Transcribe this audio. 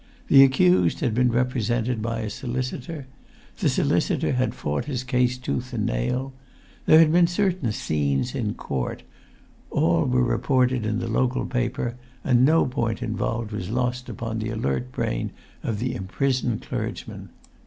The accused had been represented by a solicitor. The solicitor had fought his case tooth and nail. There had been certain "scenes in court"; all were reported in the local paper, and no point involved was lost upon the alert brain of the imprisoned clergyman.